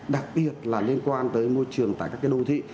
đặc biệt là liên quan tới môi trường tại các cái đô thị